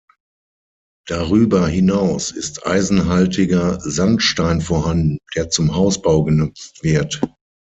Darüber hinaus ist eisenhaltiger Sandstein vorhanden, der zum Hausbau genutzt wird.